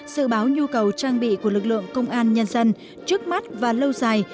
sự báo nhu cầu trang bị của lực lượng công an nhân dân trước mắt và lâu dài